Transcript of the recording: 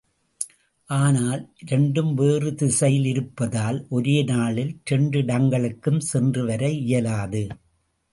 ஆனால், இரண்டும் வேறு திசையில் இருப்பதால் ஒரே நாளில் இரண்டிடங்களுக்கும் சென்று வர இயலாது.